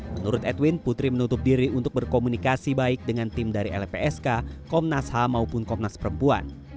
menurut edwin putri menutup diri untuk berkomunikasi baik dengan tim dari lpsk komnas ham maupun komnas perempuan